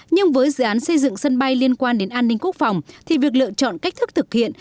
nhưng với dự án xây dựng sân bay liên quan đến an ninh quốc phòng thì việc lựa chọn cách thức thực hiện